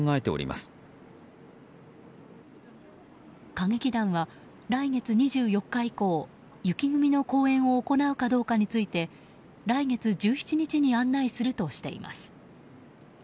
歌劇団は来月２４日以降雪組の公演を行うかどうかについて来月１７日に案内するとしています。